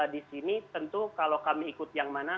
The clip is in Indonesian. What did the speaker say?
di sini tentu kalau kami ikut yang mana